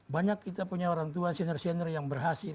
banyak kita punya orang tua senior senior yang berhasil